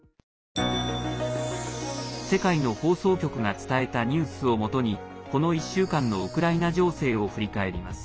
世界の放送局が伝えたニュースをもとにこの１週間のウクライナ情勢を振り返ります。